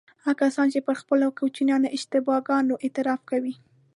هغه کسان چې پر خپلو کوچنیو اشتباه ګانو اعتراف کوي.